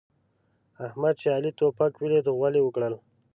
احمد چې علي توپک وليد؛ غول يې وکړل.